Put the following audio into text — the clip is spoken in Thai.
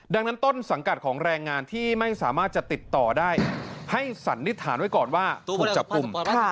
ดังนั้นต้นสังกัดของแรงงานที่ไม่สามารถจะติดต่อได้ให้สันนิษฐานไว้ก่อนว่าถูกจับกลุ่ม